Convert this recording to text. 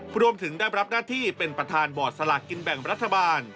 รวมถึงได้รับหน้าที่เป็นประธานบอร์ดสลากกินแบ่งรัฐบาล